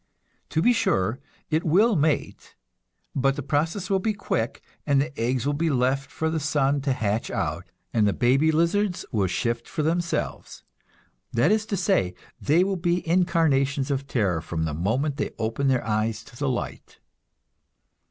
To be sure, it will mate, but the process will be quick, and the eggs will be left for the sun to hatch out, and the baby lizards will shift for themselves that is to say, they will be incarnations of terror from the moment they open their eyes to the light.